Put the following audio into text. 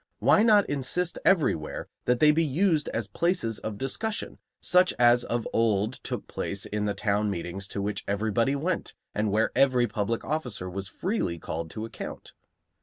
Why not insist everywhere that they be used as places of discussion, such as of old took place in the town meetings to which everybody went and where every public officer was freely called to account?